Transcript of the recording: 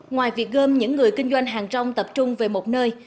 ngoài việc gom những người kinh doanh hàng rong tập trung về một nơi